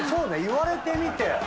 言われてみて。